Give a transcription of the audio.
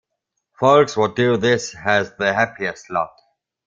Folks what do this has the happiest lot.